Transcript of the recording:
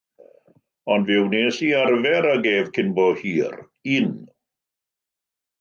Ond fe wnes i arfer ag ef cyn bo hir.